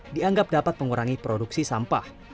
dianggap dapat mengurangi produksi sampah